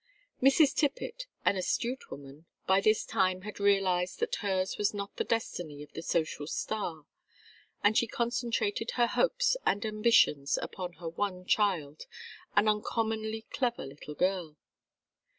Mrs. Tippet, an astute woman, by this time had realized that hers was not the destiny of the social star, and she concentrated her hopes and ambitions upon her one child, an uncommonly clever little girl.